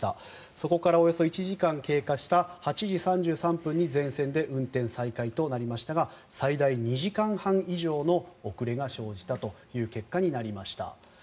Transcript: そこからおよそ１時間経過した８時３３分に全線で運転再開となりましたが最大２時間半以上の遅れが生じたという結果になりました。